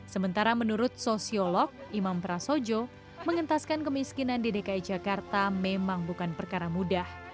sementara menurut sosiolog imam prasojo mengentaskan kemiskinan di dki jakarta memang bukan perkara mudah